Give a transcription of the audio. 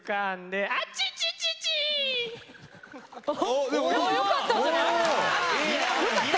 でもよかったんじゃない？